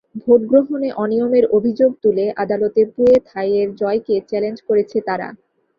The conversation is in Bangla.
ভোটগ্রহণে অনিয়মের অভিযোগ তুলে আদালতে পুয়ে থাইয়ের জয়কে চ্যালেঞ্জ করেছে তারা।